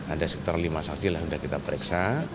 ada sekitar lima saksi yang sudah kita periksa